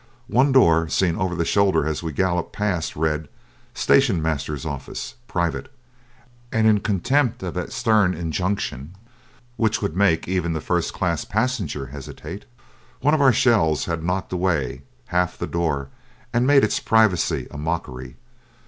One door seen over the shoulder as we galloped past read, "Station Master's Office Private," and in contempt of that stern injunction, which would make even the first class passenger hesitate, one of our shells had knocked away the half of the door and made its privacy a mockery.